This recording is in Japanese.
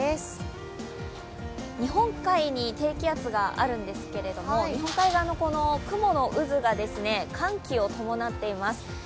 日本海に低気圧があるんですけども日本海側の雲の渦が寒気を伴っています。